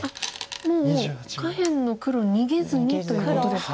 もう下辺の黒逃げずにということですか。